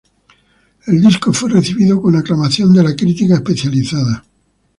El disco fue recibido con aclamación de la crítica especializada.